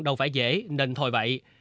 đâu phải dễ nên thôi bậy